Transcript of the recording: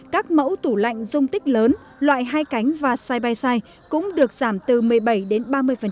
các mẫu tủ lạnh dung tích lớn loại hai cánh và side by side cũng được giảm từ một mươi bảy đến ba mươi